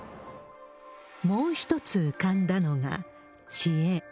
もう一つ浮かんだのが、知恵。